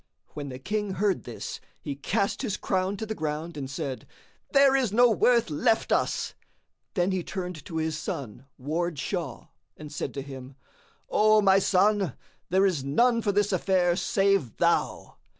When the King heard this, he cast his crown to the ground and said, "There is no worth left us!" Then he turned to his son Ward Shah[FN#63] and said to him, "O my son, there is none for this affair save thou."